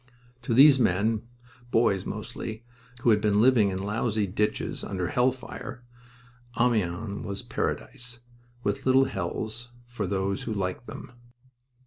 To these men boys, mostly who had been living in lousy ditches under hell fire, Amiens was Paradise, with little hells for those who liked them.